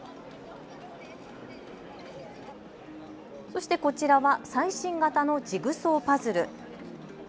そしてこちらは最新型のジグソーパズル。